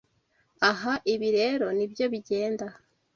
Aha! Ibi rero nibyo bigenda!